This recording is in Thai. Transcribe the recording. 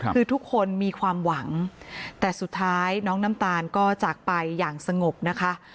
คือทุกคนมีความหวังแต่สุดท้ายน้องน้ำตาลก็จากไปอย่างสงบนะคะ